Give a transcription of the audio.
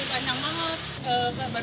terus yang satu motor disitu nyerang